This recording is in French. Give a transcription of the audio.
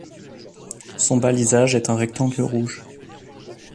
Son balisage est un rectangle rouge.